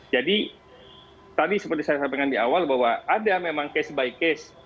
jadi tadi seperti saya sampaikan di awal bahwa ada memang kes by kes